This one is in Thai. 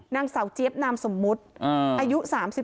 นั่งเสาร์เจียบนามสมมุตรอายุ๓๒